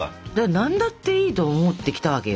何だっていいと思ってきたわけよ。